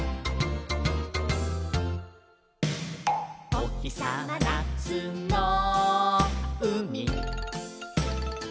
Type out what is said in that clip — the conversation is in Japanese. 「おひさまなつのうみ」